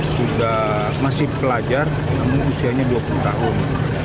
sudah masih pelajar namun usianya dua puluh tahun